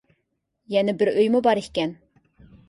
يەنە بىر ئۆيمۇ بار ئىكەن.